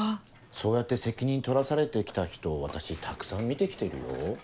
そうやって責任取らされて来た人私たくさん見て来てるよ。